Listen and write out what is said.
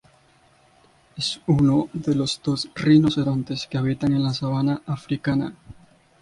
Es uno de los dos rinocerontes que habitan en la sabana africana.